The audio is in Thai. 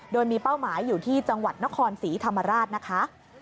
โดยมีเป้าหมายอยู่ที่จังหวัดนครศรีธรรมราชนะคะ